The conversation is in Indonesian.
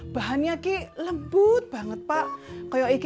bahannya lembut banget pak